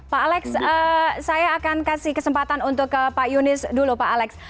pak alex saya akan kasih kesempatan untuk ke pak yunis dulu pak alex